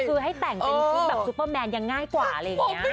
คือให้แต่งเป็นชุดแบบซุปเปอร์แมนยังง่ายกว่าอะไรอย่างนี้